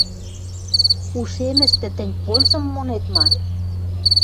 Ушемӹштӹ тӹнь пользым монет ма?